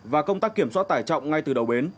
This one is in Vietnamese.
và công tác kiểm soát tải trọng ngay từ đầu bến